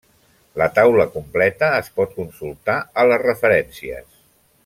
La taula completa es pot consultar a les referències.